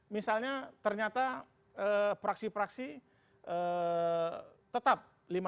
misalnya ternyata praksi praksi tetap lima ratus enam puluh